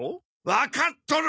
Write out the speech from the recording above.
わかっとる！